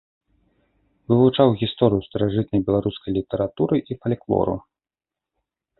Вывучаў гісторыю старажытнай беларускай літаратуры і фальклору.